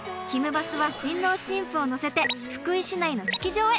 バスは新郎新婦を乗せて福井市内の式場へ。